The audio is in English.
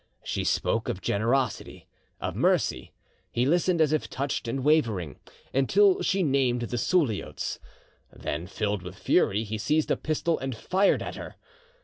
She spoke of, generosity, of mercy; he listened as if touched and wavering, until she named the Suliots. Then, filled with fury, he seized a pistol and fired at her.